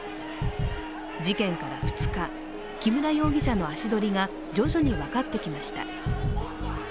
事件から２日、木村容疑者の足取りが徐々に分かってきました。